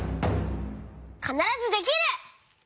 かならずできる！